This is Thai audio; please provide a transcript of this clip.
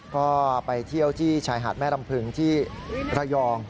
ก็ไปเที่ยวที่ชายหาดแม่รำพึงที่ระยอง